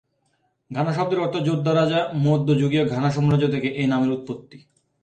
Ghana শব্দের অর্থ "যোদ্ধা রাজা" মধ্যযুগীয় ঘানা সাম্রাজ্য থেকে এ নামের উৎপত্তি।